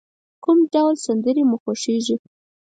کوم ډول سندری مو خوښیږی؟